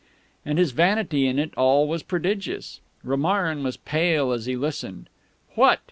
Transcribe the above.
And his vanity in it all was prodigious. Romarin was pale as he listened. What!